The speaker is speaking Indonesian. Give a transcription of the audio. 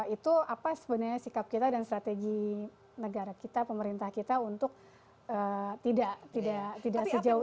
itu apa sebenarnya sikap kita dan strategi negara kita pemerintah kita untuk tidak sejauh ini